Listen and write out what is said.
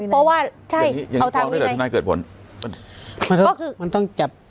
เพราะว่าใช่เอาทางวินัยเกิดผลมันก็คือมันต้องจับ